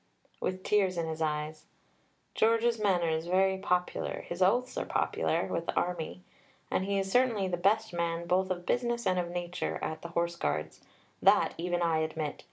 with tears in his eyes. George's manner is very popular, his oaths are popular, with the army. And he is certainly the best man, both of business and of nature, at the Horse Guards: that, even I admit.